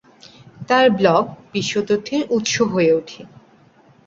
তার ব্লগ বিশ্ব তথ্যের উৎস হয়ে ওঠে।